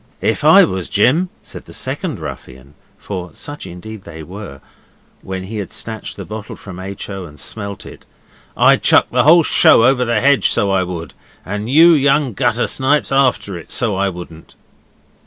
'If I was Jim,' said the second ruffian, for such indeed they were, when he had snatched the bottle from H. O. and smelt it, 'I'd chuck the whole show over the hedge, so I would, and you young gutter snipes after it, so I wouldn't.